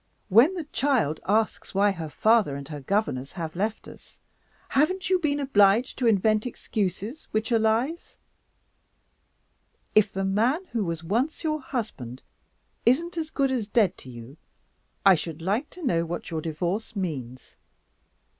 When the child asks why her father and her governess have left us, haven't you been obliged to invent excuses which are lies? If the man who was once your husband isn't as good as dead to you, I should like to know what your Divorce means!